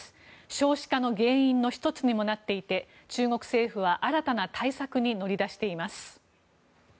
少子化の原因の１つにもなっていて中国政府は新たな対策に乗り出しています。